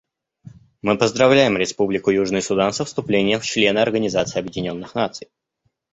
Мы поздравляем Республику Южный Судан со вступлением в члены Организации Объединенных Наций.